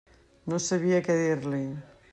No sabia què dir-li.